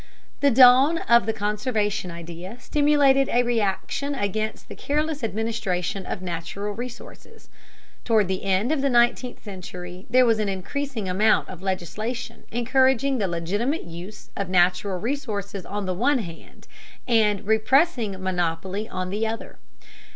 The dawn of the conservation idea stimulated a reaction against the careless administration of natural resources. Toward the end of the 19th century, there was an increasing amount of legislation encouraging the legitimate use of natural resources on the one hand, and repressing monopoly on the other.